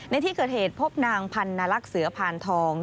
ในที่เกิดเหตุพบนางพันนลักษณ์เสือพานทอง